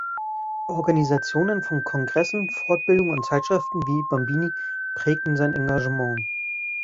Organisationen von Kongressen, Fortbildungen und Zeitschriften wie „Bambini“ prägten sein Engagement.